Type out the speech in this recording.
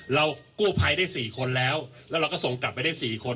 กู้ภัยได้๔คนแล้วแล้วเราก็ส่งกลับไปได้๔คน